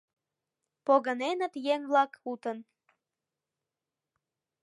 Погыненыт еҥ-влак, утын.